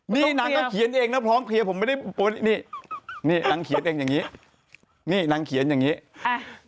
นี่นางก็เคลียร์เองแล้วพร้อมเคลียร์ผมไม่ได้นี่นางเคลียร์เองอย่างนี้นี่นางเคลียร์อย่างนี้